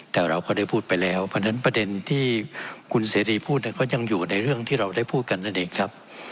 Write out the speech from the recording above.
แต่เราก็ได้พูดไปแล้วเพราะฉะนั้นประเด็นที่คุณเสรีพูดก็ยังอยู่ในเรื่องที่เราได้พูดกันนั่นเองครับ